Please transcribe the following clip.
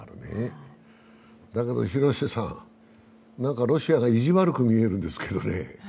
だけど廣瀬さん、ロシアが意地悪く見えるんですけどね。